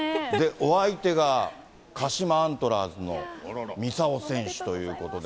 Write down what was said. お相手が鹿島アントラーズの三竿選手ということで。